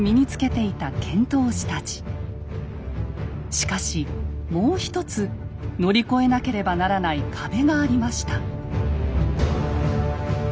しかしもう一つ乗り越えなければならない壁がありました。